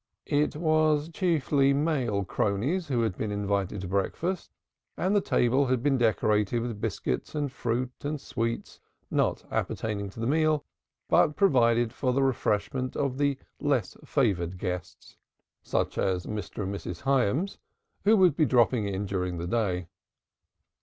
It was chiefly male cronies who had been invited to breakfast, and the table had been decorated with biscuits and fruit and sweets not appertaining to the meal, but provided for the refreshment of the less favored visitors such as Mr. and Mrs. Hyams who would be dropping in during the day.